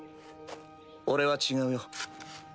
俺は違うよ。